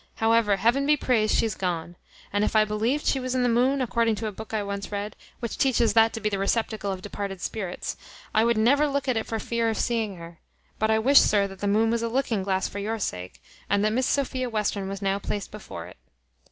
However, heaven be praised, she's gone; and if I believed she was in the moon, according to a book I once read, which teaches that to be the receptacle of departed spirits, I would never look at it for fear of seeing her; but I wish, sir, that the moon was a looking glass for your sake, and that Miss Sophia Western was now placed before it."